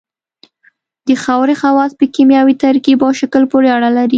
د خاورې خواص په کیمیاوي ترکیب او شکل پورې اړه لري